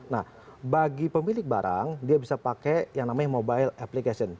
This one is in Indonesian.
nah bagi pemilik barang dia bisa pakai yang namanya mobile application